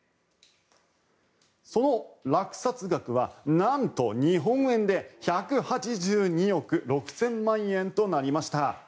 その落札額はなんと日本円で１８２億６０００万円となりました。